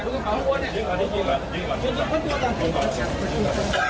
สวัสดีครับสวัสดีครับ